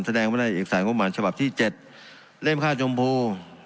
แสดงไว้ในเอกสารงบมานฉภาพที่เจ็ดเล่มคาดจมพู